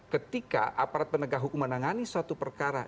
ketika aparat penegak hukum menangani suatu perkara